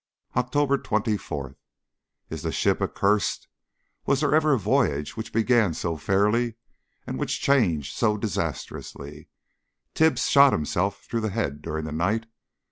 October 24. Is the ship accursed? Was there ever a voyage which began so fairly and which changed so disastrously? Tibbs shot himself through the head during the night.